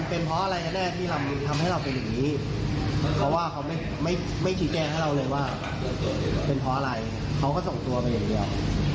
เป็นเพราะอะไรเค้าก็ส่งตัวไปอย่างเดียว